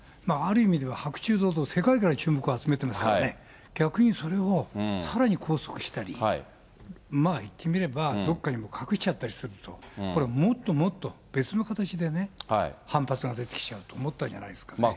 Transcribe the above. ある意味では白昼堂々、世界から注目を集めていますからね、逆にそれをさらに拘束したり、いってみれば、どっかに隠しちゃったりすると、これはもっともっと別の形でね、反発が出てきちゃうと思ったんじゃないですかね。